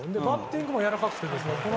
バッティングもやわらかくてですね